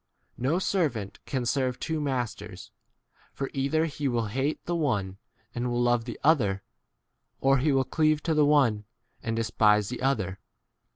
No servant can serve two masters, for either he will hate the one and will love the other, or he will cleave to the one and despise the other.